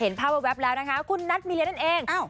เห็นภาพว่าแวบแล้วนะคะคุณนัดมีเรียนนั่นเองอ้าว